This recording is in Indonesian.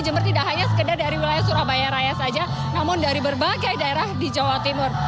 jember tidak hanya sekedar dari wilayah surabaya raya saja namun dari berbagai daerah di jawa timur